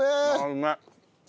うまい。